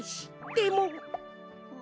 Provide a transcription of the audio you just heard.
でも？